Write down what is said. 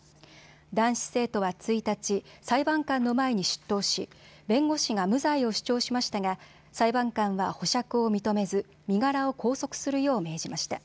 男子生徒は１日、裁判官の前に出頭し弁護士が無罪を主張しましたが裁判官は保釈を認めず、身柄を拘束するよう命じました。